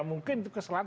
mungkin itu kesalahan